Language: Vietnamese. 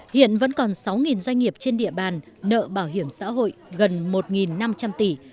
hiện vẫn còn sáu doanh nghiệp trên địa bàn nợ bảo hiểm xã hội gần một năm trăm linh tỷ